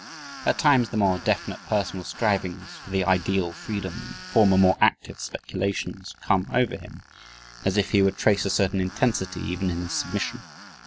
At times the more definite personal strivings for the ideal freedom, the former more active speculations come over him, as if he would trace a certain intensity even in his submission.